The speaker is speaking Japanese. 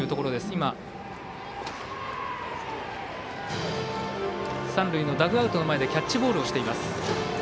今、三塁のダグアウトの前でキャッチボールをしています。